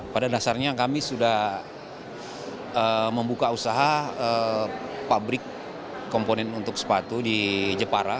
pada dasarnya kami sudah membuka usaha pabrik komponen untuk sepatu di jepara